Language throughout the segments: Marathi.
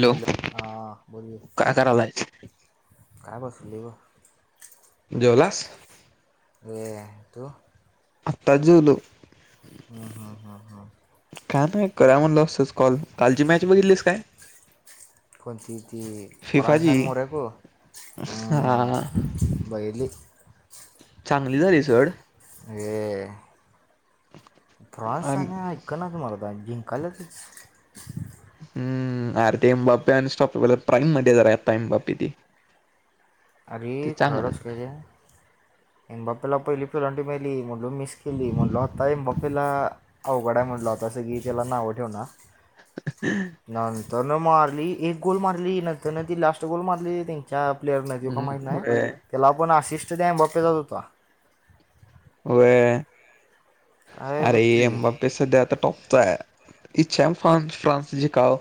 हॅलो हा बोोल काय करायलायस काय बसली ग जवलास ए तू अतााजुल का नाही करा म्हण ल असच कॉल कालची मॅच बघितलीस काय कोणची ती फिफाची फराणीशान मोरक हा बैरली चांगली झाली सर ये आणि फ्रानसने ऐक ना तुम्हाला जिंक कलचच हम्म आरती बाप सॉप प्राईम मध्येताई बा्ी त अर खरार असलेले ए बापेला पहिली फिलांटी मेली म्हटल मिस केली म्हटलं आता ए बापेला अवघडाय म्हटलं होता असं की त्याला नाव ठेव ना [unintelligible] नंतर न मारली एक गोल मारली नंतर न ती लास्ट गोल मारली ्या प्लेयर नाही देव का हम्म माही नाही होय आहे त्याला आपण आशिष्ट द्या बापे जात होता वय बघ अरे की एंबा पे सध्या आता टॉपचा आहे इचछाम फ फ्रांस झिकाव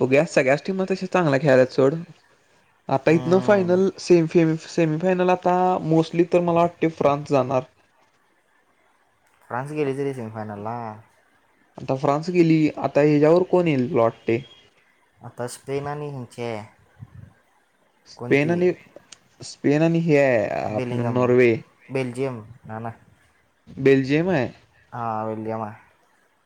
बघ्या सगळ्याच टीम तश चांगल्या खेळालात चोड आता इथनं अं, फायनल सेम फेम सेमीफायनल आता मोस्टली तर मला वाटते फ्रान्स जाणार फ्रानस ग रिझर्वशन फानला आता फ्रान्स गेली आता ह्याच्यावर कोण येईल लॉटते आता स्पननी इचे स्पेन आणि स्पेन आणि ह बेलिंगम बेलजियम ना ना बेलजियम आहे हां विलियम आहे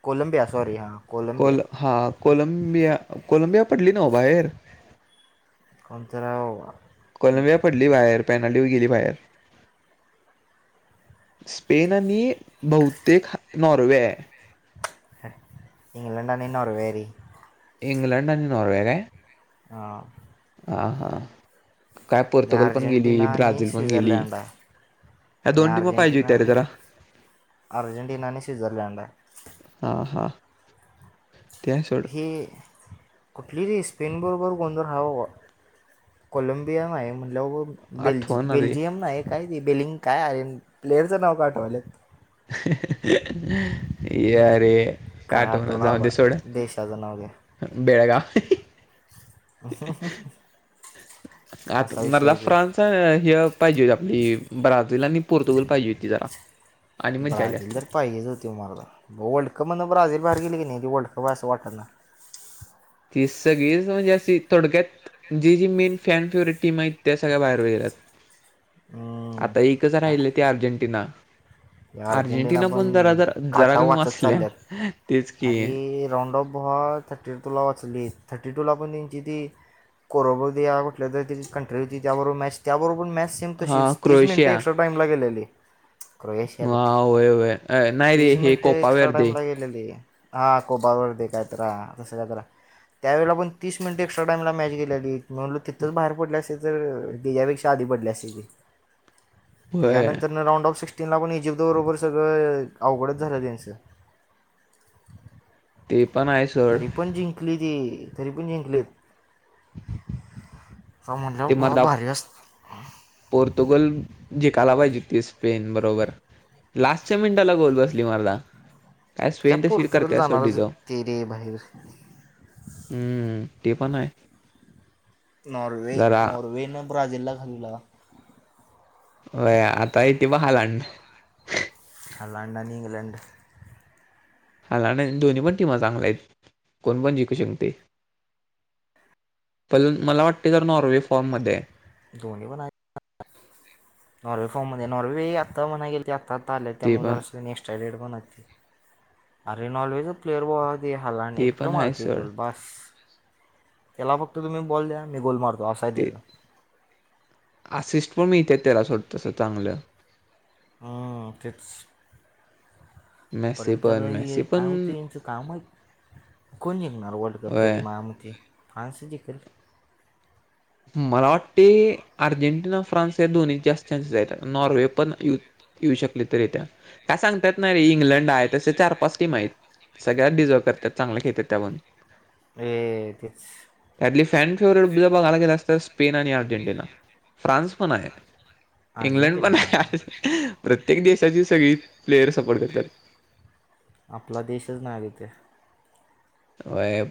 कोलंबिया सॉरी हां कोलंबिया कोल हा कोलंबिया कोलंबिया पडली ना बाहेर कंतराव कोलंबिया पडली बाहेर पॅनाल्टी गेली बाहेर स्पेन आणि बहुतेक नॉर्वे आहे इंग ललेंडन नावर वरी इंग्लंड आणि नॉर्वे र ह हा हा काय आणि पोर्तुगल पण गेली अर्जेंटिना आणि ब्राझील पण गेली स्वित्झर्लंड आहे ह्या आणि दोन टीम पाहिजे इत रे जरा अर्जंटीना आणि स्विझरलांड आहे हा हा त्या सोड.... की कुठलीरी स्पेनबरोबर गोंधळ हवं ग कोलंबिया आहे म ल. बेल्जि आठवण आली बेल्जियम ना एक काय ते बेलिंग काय आहे प्लेयरचं नाव पाठवालेत ये अरे काठवण जाऊते सोड्या े बेळग अस आ मरला तो. फ्रान्स ह पाहिजे होती आपली ब्राझील आणि पोर्तुगल पाहिजे होती जरा आणि मजा आली ब्राझीलल असती तर पाहिजेच होती मारला वर्ल्ड कप म्हण ब्राील बाहेर गेली की नाही ते वर्ल्ड कप असं वाटत ना. ती सगळीच म्हणजे अशी थोडक्यात जी जी मेन फॅन फेवरेट टीम आहे त्या सगळ्या बाहेर गेल्यात. हा आता एकच राहिलय ते अर्जेंटिना. अर्जेंटिना पण जरा जरा जरा काटा कमी वाचत वाचल्या चालल्यात तेच की अरे राऊंड ऑफ ह. थर्टी टूला वाचली थर्टी टूला पण त्यांची ती. कोरोवरत्या कुठल्या तरी ते ची कंट्री होती त्याबरोबर मॅच. त्याबरोबर मॅच सेम हा तशीच तीस मिनिटे क्रोएशिया एक्स्ट्रा टाईम लागेलली र येश. हा व्हय व्हय य नाही रे हे कोपा वर दे. केलेली हा कोबवरर दे काय तर आ तसं काय जरा.. त्यावेळेला पण तीस मिनट एक्स्ट्राईम मॅच गेलेली. म्हणून तिथं बाहेर पडले असे तर त्याच्यापेक्षा आधी पडले असतील. ते होय यानंतर राऊंड ऑफ सिक्स्टीन ला पण जिप. बरोबर सगळं अवघडच झालं त्यांच. ते पण आहे सोड तरी पण जिंकली ती तरी पण जिंकलीत. त म्हणलं ते बहोत मर्दा भारी असत. पोर्तुगल जेिकायला पाहिजे ते स्पेन बरोबर. लास्टच्या मिनिटाला गोल बसली मला या पोर्तुगाल जाणारच जाऊ तेरे बाहेर. हम्म ते पण आहे. नॉर्वे जरा नॉर्वेनं ब्राझीलला घालीवला. वय आता येथे बहालां. [unintelligible] आणि इंग्लंड. [unintelligible] दोन्ही पण टीम चांगल्या आहेत कोण पण जिकू शकतय. प मला वाटतय जर नॉर्वे फॉर्म मध्ये. दोन्ही पण आ नॉर्वे फॉर्म मध्ये नॉर्वे आता म्हणाय गेल ते आता. आला ते त्यामुळे जर पण अस नेक्स्ट डेट म्हण अरे नॉर्वे च प्लेअर बघ. ते हलाड ते एकट पण आहे मारतील सर बघ [inaudible] त्याला फक्त तुम्ही बॉल द्या मी गोल मारतो अस. ते आसिस्ट पण मिळतय त्याला सोडतस चांगलं. हा तेच. मेसी परत आता पण मेसी ही काय पण होतय याचं काय माहित कोण जिंकणार वर्ल्ड कप तरी होय मायामती फ्रान्स जिकल. मला वाटतय अर्जेंटिना फ्रान्स या दोन्हीत जास्त. चान्स येत नॉर्वे पण येऊ शकले तर येत्यात काय सांगतात? नाही रे इंग्लंड आहे तस चार पाच टीम आहेत सगळ्याच डिझर्व करतात चांगले खेळतात त्या पण हे तेच. त्यातली फॅन फेवरेट बद्द्ल बघायला गेलास असतात स्पेन आणि अ. अर्जेंटिना फ्रान्स पण हाय इंग्लंड पण अर्जेंटिना हाय. प्रत्येक देशाची सगळी प्लेअयर सपोर्ट करत्यात. आपला देशच नाय तीत. व्हय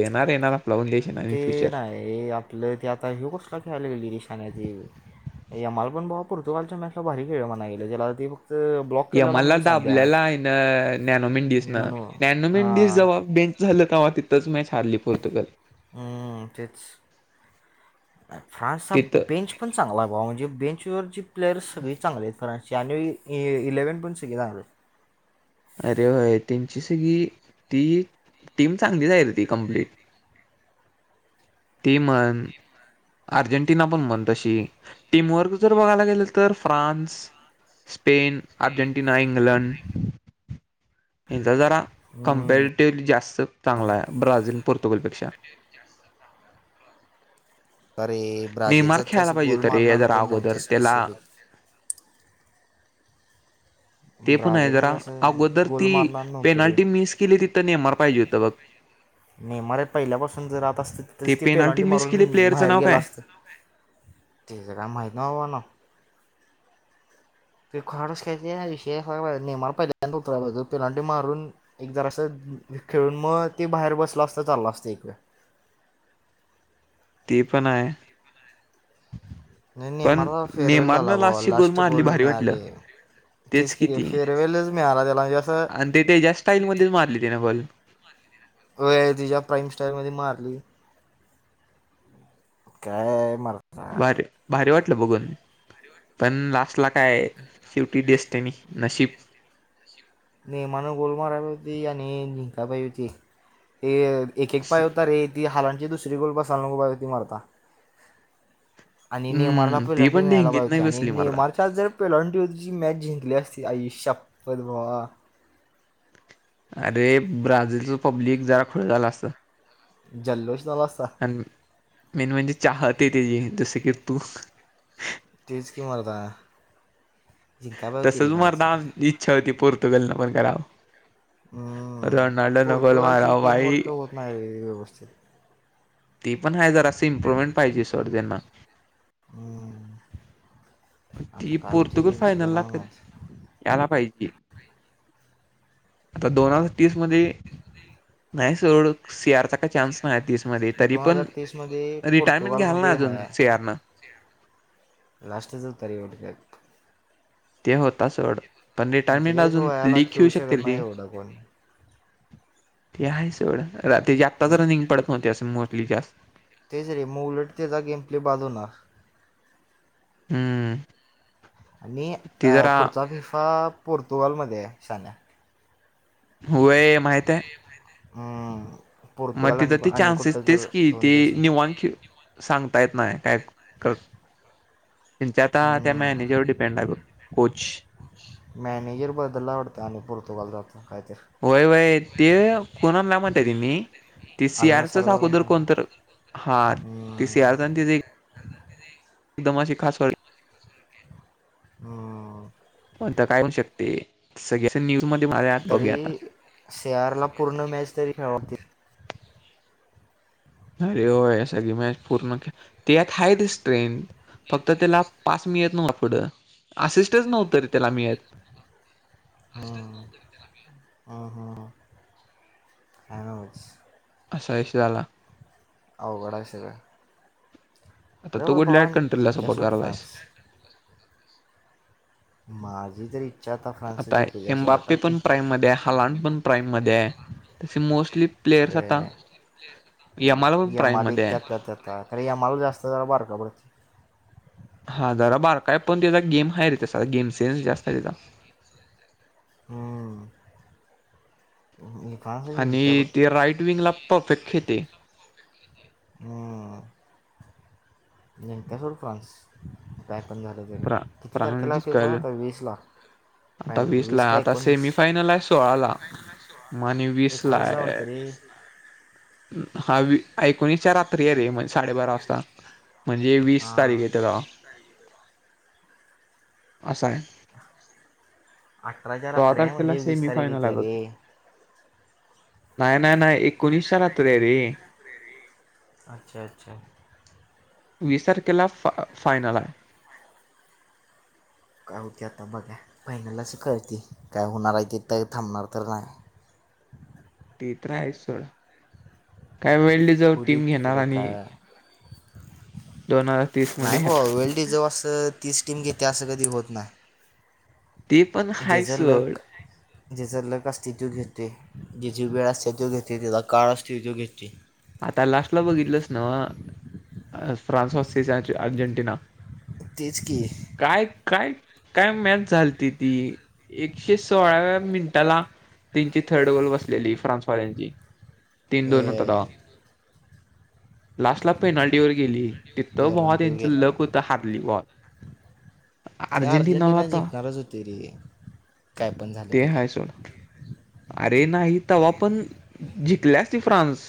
येणार येणार आपला पण देश. येणार इन ते फ्युचर. नाही आपलं ते आता ह्यो कसला खेळायला ईशान ते. यमाल पण बाबा पोर्तुगालच्या मॅचला भारी खेळल म्हणाय च ते ला ते फक्त. ब्लॉक केलेला यमाला म्हणून सांगत्या दाबलेला आहे न नॅनो मेंडीस न नो नो नॅनो मेंडीस हां जवा बे. झालं कव्हा तिथंच मॅच हारली पोर्तुगल. हा तेच फ्रानसचा तिथं बेंच. पण चांगला भााव म्हणजे बेंचवरचे प्लेअर्स सगळे चांगले आहेत खरांची आणि इलेवन पण सगळे चांगले आहेत. अरे होय त्यांची सगळी ती टीम चांगलीच आहे रे ती कम्प्लीट. ती म्हण. अर्जेंटिना पण म्हण तशी टीमवर्क जर बघायला गेल तर फ्रान्स. स्पेन अर्जेंटिना इंग्लंड यांचा जरा हम्म. कमपेड जास्त चांगला आहे ब्राझील पोर्तुगलपेक्षा तरे नेमार ब्राझीलचा त्या खेळायला असं पाहिजे गोल होता रे मारणार जरा कोण अगोदर नव्हतं त्याला स्पेसिफिक ते पण आहे ब्राझीलमध्येध्ये जरा असं अगोदर गोल ती मारणार नव्हतं रे पेनाल्टी मिस केली तिथं नेमार पाहिजे होतं बघ ने मर पहिल्यापासून जर राहत असत ते तरच ती पेनाल्टी पेलांडी मिस केली मारून प्लेयरचं बाहेर नाव गेलं काय असत. तचं काय माहीती नाही कॉडस का अ विश मला पहि ततर पिलाट मारून एक जराअसं खेळून मग ते बाहेर बसलं असता चालला असत एकवेळ ते पण आहे नाही पण नेमारला फेअरवेल नेमारन झाला बाबा लास्टची गोल लास्ट मारली भारी वाटलं मिळाले तेच की ते किती आहे फेअरवेलच मिळाला त्याला म्हणजे असं आणि ते त्याच्या्या स्टाईल मध्येच मारले ते ना बल अ तिच्या प्राईम सटाईल मध्ये मारली काय मर भारी भारी वाटलं बघून पण लास्ट ला काय शेवटी डेसटनी नशीब नेमान गोल मारातीी याने जिंका बबतीी ते एक एक पाय होता रे ती हालांची दुसरी गोल बसा नो पाय होती मारता आणि न मला हम्म ती पिल्लेलंे पण नला ढेंगीत बायच नाही आणि बसली न मला मारचाल जर पहिलाटी जची मॅच जिंकली असते आईष शप्पल भा अरे ब्राझीलचं पब्लिक जरा खळ झाला असतं जल्लोष ना असता मी म्हनज चचाहातते त जी तरसेी तूख तचकीि मारता जिंका प होती रे बराज छ होती पोर्तुगल न पण कराव हम्म. रोनाल्डो नकल पोर्तुगालची माराव टीम बाई वर्क होत नाही ववस्थित ती पण आहे जरा असं इम्प्रुवमेंट पाहिजे सर् त्यांना हम्म. आता ती काय होते पोर्तुगल त्यांचं ते फायनल नाव माहीत लाखत याला पाहिजे आता दोन हजार तीस मध्ये नाही सवढ सी आरचा काय चान्स नाही तीस मध्ये तरी दोन पण हजार तीस मध्ये रिटायरमेंट पोर्तुगाल घ्याल ना मध्ये हा अजून सीआरनं लास्टच तरीवेट का ते होता सड पण रिटायरमेंट पंचेचाळीस अजून वयाला क घेऊ खेळू शकते शकत नाही ती एवढा कोण ते आहे स एवढं ते जागतच रनिंग पडत नव्हते असं मोस्टली जास्त ते ज रे म उलटतेचा गेम प्ले बाधवणार हम्म आणि ती अ जरा पुढचा फिफा पोर्तुगालमध्येध्ये साण्या होय माहित आहे हम्म मग पोर्तुगाल तिथं आणि ते आणि चान्सेस कुठलं तेच तर की दोन ते देश निवांत खेळ सांगता येत नाही काय क त्यांच्या आता त्या मॅनेजर व डिपेंड आहे कोच मॅनेजर बद्दलला आवडत आणि पोर्तुगाल जातो काहीतरी वय वय ते कोणाला म्हणता त मी ते आलना सियारचच सरदा अगोदर कोणता कोणत हा ते हम्म, सियाथ एकदम अशी खास व हम् आता काय होऊ शकते सगळ न्यूज मध्ये मझ आत बघूया आता से आर ला पूर्ण मॅच तरी खेळवतील अरे होय सगळी मॅच पूर्ण ते आत हा ते स्ट्रेथ फक्त त्याला पास मी येत नव्ह पुढं असिस्टच नव्हतरी त्याला मिी हा हा हा असा विश झाला होघडा विषर आता तो ग लाईट जिंकत्या सोड कंट्रलापोटराला आहेस फ्रान्स माझी तरी आता एमबाप्पी पण प्राईम मध्ये हलांड पण प्राईम मध्ये आहे तसे मोस्टली प्लेयर्स आता वाटायला यमाला पण प्राईम मध्ये आहे तररी आ माल जास्त झा बारर का पडत हा जरा बारका आहे पण त्याचा गेम आहे रिध गेम सेन्स जास्त आहे त्याचा हम् आणि ते राईट विंग ला परफेक्ट खेते हम् जक सोड फ्रान्स काय पण झालं प्रा किती तारखेला आहे फे पण प्रांजिकल आता वीस लाख आता फायनल वीसला वीस का आता एकोणीस सेमीफायनल आहे सोळाला मग आणि वीसला एकोणीच आहे आवडतरी हा ऐकून विचार आ ऐक विचाराकडे म्हणजे वीस तारीख आहे चांग त्याला हेस आहे अससा आहे अठराच्या रात्री सहाटः आहे खेला म्हणजे वीस तारीख समिफयनल येते लागत रे नाही नाही नाही एकोणीसशलात आहे रे अच्छा अच्छा विसार केला फ फायनल आहे का होती आता बघा फहिनलाच कळती काय होणार आहे क थांबणार तर नाही ते तर्र आहे सड काय वेळ जव होऊ दे टीम घेणार तिकडं आणि काय दोन हजार तीस नाही मध्ये ब आता वल रिझर्व असं तीस टीम घेते असं कधी होत नाही ते पण हाय जैसे सोड लोक ज्याचा लक अस्त्व घेते ज्याची वेळ असते तव घेते त्याचा काळ अस्त तव घेते आता लास्टला बघितलंस ना फ्रान्स वास् अर्जेंटिना तेच की काय काय काय मॅच झालती ती एकशे सोळाव्या मिनिटाला तीनची थर्ड वल बसलेली फ्रान्सवाल्यांची तीन दोन होता ए लास्ट ला पेनाल्टी वर गेली तिथं वॉ पेहलवान तो त्यांचं गेलं लग होतं हारली वॉल आर्जेंटीनाला तर नरजतीरी ते हाय सोड अरे नाही तव्हा पण जंकल्यास त फ्रान्स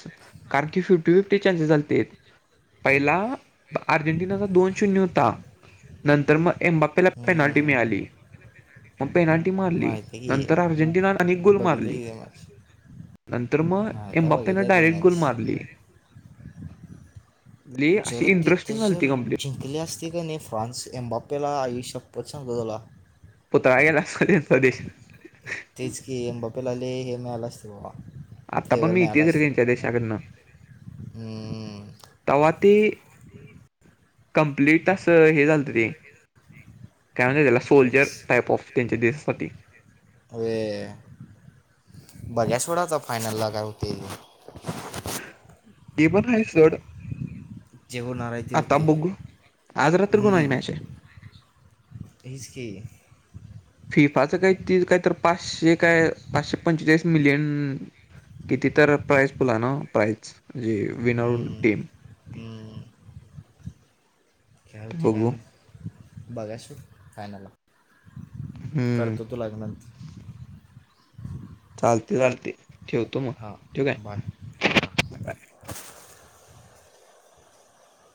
कारणखी फिफ्टी फिफीचान्सेस लत आहेत पहिला अर्जेंटिनाचा दोन शून्य होता नंतर मग एमबा पला पेनाल्टी हम्म, मिळाली मग पेनाल्टी मारली माहिती की नंतर अर्जेंटिनाने अनेक गुल बघितली मारली की ते मॅच नंतर मग माहिती आहे एमबाप्पेनं बघितलं ते डायरेक्ट गुोल मॅच मारली अ जर तिथं इंटरेस्टिंग झा जर त कंप् जिंकली असते का न नाही फ्रान्सम्बाप्पेला आयुष्यप्पत सांगत झाला पुतळा गेला अस त्यांचा देश तेच की ए बापेलाले हे मिळाला असते बाबा आता पण फेवर मी मिळालं इतीेच रे असतं त्यांच्या देशाकडनं हम्म, तव्हा ते कमप्लट तास हे झालत ते काय म्हण त्याला सोल्जर तेच टाप ऑफ त्यांच्या देशसासाठी अर बघा सोडाता फायनल लागा होते इ पण आहे चड जेवो आारा आताब बुगू आजरात को ना मॅच आहे इच क फिफाचं काही त काही तर पाचशे काय पाचशे पंचेचाळीस मिलियन किती तर प्राईज बला ना प्राईज म्हणजे विनर हम्म, टीम हम्म ह्या होती काय बघू म बघायच फायनाला हम्म कत तो लागणार चालते हां बाय हां